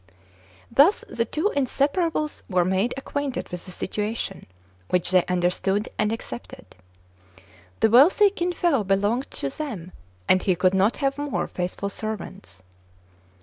Thus the two inseparables were made acquainted with the situation, which they understood and ac cepted. . The wealthy Kin Fo belonged to them, and he could not have more faithful servants.